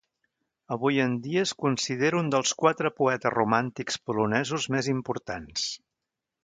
Avui en dia es considera un dels quatre poetes romàntics polonesos més importants.